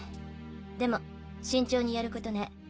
でも慎重にやることね。